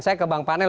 saya ke bang panel